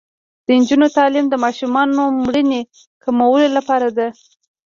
د نجونو تعلیم د ماشومانو مړینې کمولو لاره ده.